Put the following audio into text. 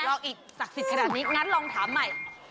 ลองอีกศักดิ์สิทธิ์ขนาดนี้งั้นลองถามใหม่